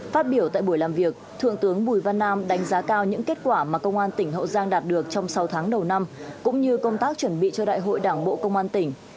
phát biểu tại buổi làm việc thượng tướng bùi văn nam đánh giá cao những kết quả mà công an tỉnh hậu giang đạt được trong sáu tháng đầu năm cũng như công tác chuẩn bị cho đại hội đảng bộ công an tỉnh